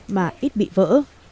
mà ít bị vỡ